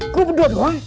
kok berdua doang